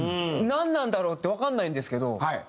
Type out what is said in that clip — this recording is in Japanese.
なんなんだろうってわかんないんですけど。